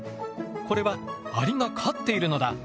これはアリが飼っているのだ。